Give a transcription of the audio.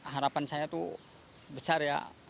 harapan saya itu besar ya